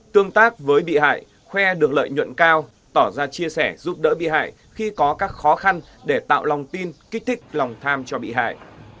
tương tác với bị hại khoe được lợi nhuận cao tỏ ra chia sẻ giúp đỡ bị hại khi có các khó khăn để tạo lòng tin kích thích lòng tham cho bị hại